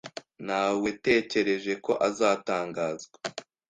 Nawetekereje ko azatangazwa.